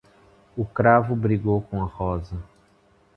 O cravo brigou com a rosa.